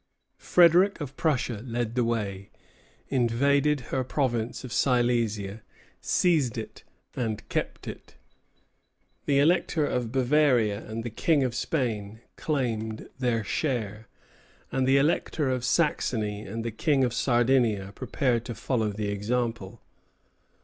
Frederic of Prussia led the way, invaded her province of Silesia, seized it, and kept it. The Elector of Bavaria and the King of Spain claimed their share, and the Elector of Saxony and the King of Sardinia prepared to follow the example.